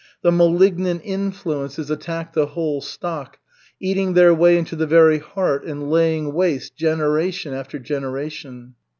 The malignant influences attack the whole stock, eating their way into the very heart and laying waste generation after generation.